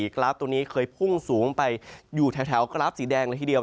กราฟตัวนี้เคยพุ่งสูงไปอยู่แถวกราฟสีแดงเลยทีเดียว